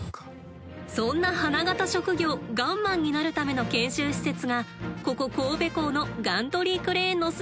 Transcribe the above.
そんな花形職業ガンマンになるための研修施設がここ神戸港のガントリークレーンのすぐそばにあります。